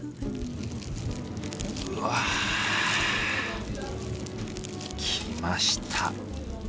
うわぁきました。